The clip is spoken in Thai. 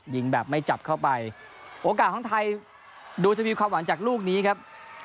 ยิงแบบไม่จับเข้าไปโอกาสของไทยดูจะมีความหวังจากลูกนี้ครับ